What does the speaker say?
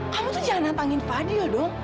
kamu tuh jangan nantangin fadio dong